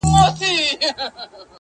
په دريو مياشتو كي به ډېر كم بې لاسونو؛